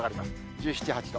１７、８度。